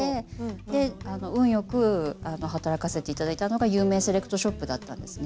で運よく働かせて頂いたのが有名セレクトショップだったんですね。